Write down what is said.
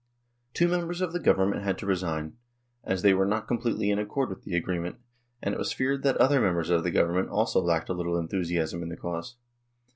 Two members of the Government had to resign, as they were not completely in accord with the agreement ; and it was feared that other members of the Govern ment also lacked a little enthusiasm in the cause.